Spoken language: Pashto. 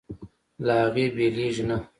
له هغې بېلېږي نه.